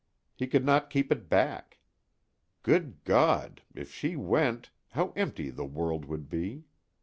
He could not keep it back. Good God, if she went, how empty the world would be!